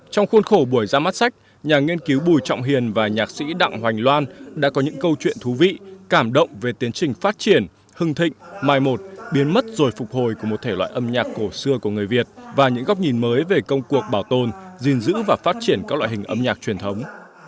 trong khuôn khổ buổi ra mắt sách nhà nghiên cứu bùi trọng hiền và nhạc sĩ đặng hoành loan đã có những câu chuyện thú vị cảm động về tiến trình phát triển hưng thịnh mai một biến mất rồi phục hồi của một thể loại âm nhạc cổ xưa của người việt và những góc nhìn mới về công cuộc bảo tồn gìn giữ và phát triển các loại hình âm nhạc truyền thống